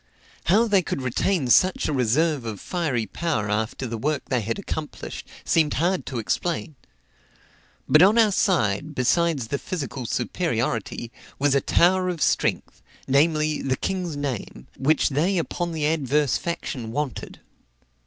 How they could retain such a reserve of fiery power after the work they had accomplished, seemed hard to explain. But on our side, besides the physical superiority, was a tower of strength, namely, the king's name, "which they upon the adverse faction wanted."